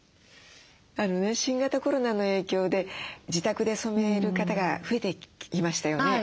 新型コロナの影響で自宅で染める方が増えてきましたよね。